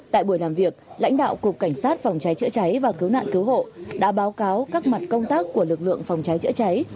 tại buổi làm việc lãnh đạo cục cảnh sát phòng cháy chữa cháy và cứu nạn cứu hộ đã báo cáo các mặt công tác của lực lượng phòng cháy chữa cháy